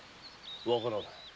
わからぬ。